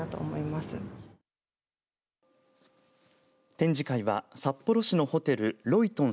展示会は札幌市のホテルロイトン